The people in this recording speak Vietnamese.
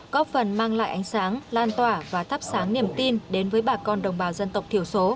có phần mang lại ánh sáng lan tỏa và thắp sáng niềm tin đến với bà con đồng bào dân tộc thiểu số